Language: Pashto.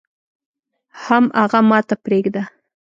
حم اغه ماته پرېده.